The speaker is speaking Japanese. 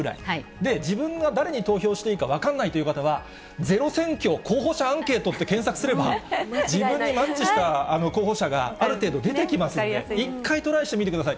で、自分が誰に投票していいか分かんないという方は、ｚｅｒｏ選挙候補者アンケートって検索すれば、自分にマッチした候補者がある程度、出てきますんで、一回トライしてみてください。